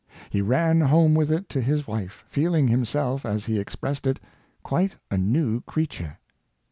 He ran home with it to his wife, feeling himself, as he expressed it, quite a new creature.